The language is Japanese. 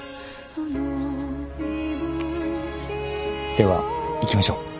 では行きましょう。